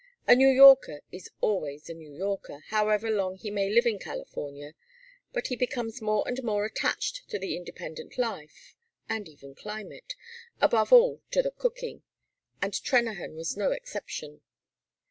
A New Yorker is always a New Yorker, however long he may live in California, but he becomes more and more attached to the independent life, the even climate, above all to the cooking; and Trennahan was no exception.